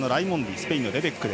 スペインのレベック。